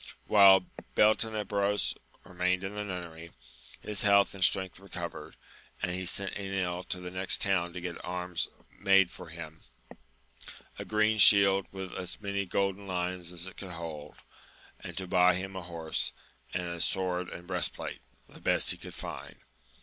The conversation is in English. HILE Beltenebros remained in the nunnery, his health and strength recovered, and he sent Enil to the next town to get arms made for him, a green shield with as many golden lions as it could hold, and to buy him a horse, and a sword and breastplate, the best he could find.